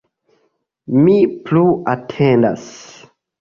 Mi plu atendas.